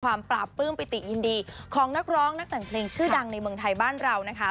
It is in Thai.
ปราบปลื้มปิติยินดีของนักร้องนักแต่งเพลงชื่อดังในเมืองไทยบ้านเรานะคะ